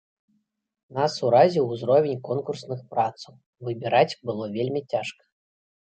Нас уразіў узровень конкурсных працаў, выбіраць было вельмі цяжка.